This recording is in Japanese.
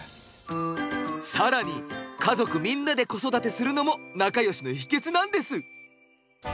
更に家族みんなで子育てするのも仲よしの秘けつなんです。